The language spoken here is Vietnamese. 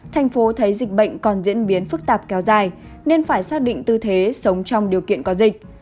thành phố thấy dịch bệnh còn diễn biến phức tạp kéo dài nên phải xác định tư thế sống trong điều kiện có dịch